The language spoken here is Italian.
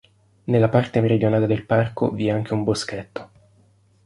Nella parte meridionale del parco vi è anche un boschetto.